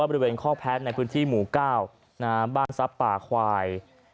บริเวณคอกแพ้ตในพื้นที่หมู่ก้าวบ้านซับป่าขวาย